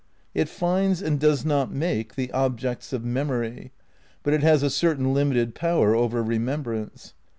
It finds and does not make the objects of memory; but it has a certain limited power over remembrance.